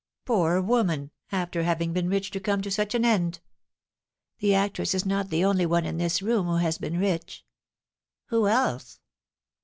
"Poor woman! After having been rich to come to such an end!" "The actress is not the only one in this room who has been rich." "Who else?"